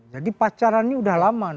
jadi pacarannya udah lama